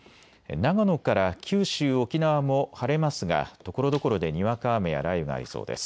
長野から九州、沖縄も晴れますがところどころでにわか雨や雷雨がありそうです。